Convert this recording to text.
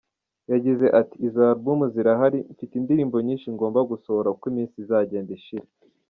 Yagize ati “Izo album zirahari, mfite indirimbo nyinshi ngomba gusohora uko iminsi izagenda ishira.